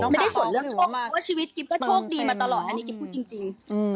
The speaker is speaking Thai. ไม่ได้ส่วนเรื่องโชคเพราะว่าชีวิตกิ๊บก็โชคดีมาตลอดอันนี้กิ๊บพูดจริง